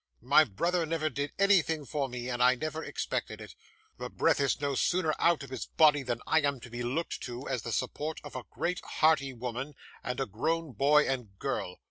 My brother never did anything for me, and I never expected it; the breath is no sooner out of his body than I am to be looked to, as the support of a great hearty woman, and a grown boy and girl.